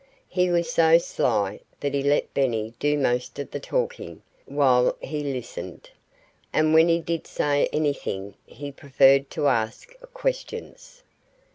He was so sly that he let Benny do most of the talking, while he listened. And when he did say anything, he preferred to ask questions.